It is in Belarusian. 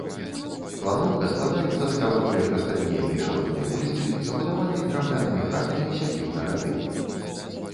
Планоўка складаецца з кароткай прасталінейнай шыротнай вуліцы, забудаванай драўлянымі хатамі сядзібнага тыпу.